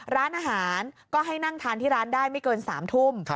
ร้านอาหารก็ให้นั่งทานที่ร้านได้ไม่เกิน๓ทุ่ม